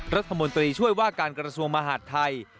รัฐมนตรีช่วยว่าการกระทรวงมหาดไทย